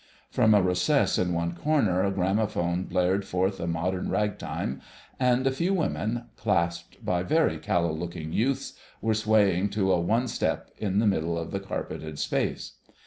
From a recess in one corner a gramophone blared forth a modern rag time, and a few women, clasped by very callow looking youths, were swaying to a "One step" in the middle of the carpeted space.